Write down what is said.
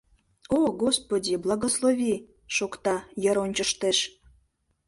О, господи, благослови! — шокта, йыр ончыштеш.